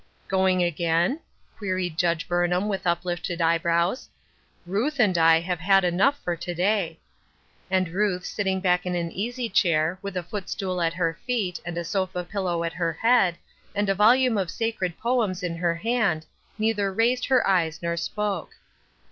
"Going again?" queried Juige Burnham, with uplifted eyebrows. " Ruth and I have had enough for to day." And Ruth, sitting back in the easy chair, with a footstool at her feet, and a sofa pillow at her head, and a volume of sacred poems in her hand, neither raised her eyes nor spoke.